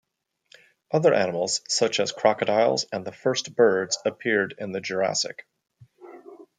Other animals, such as crocodiles and the first birds, appeared in the Jurassic.